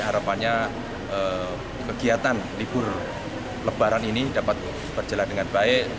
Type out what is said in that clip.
harapannya kegiatan libur lebaran ini dapat berjalan dengan baik